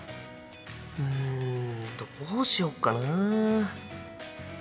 うんどうしよっかな？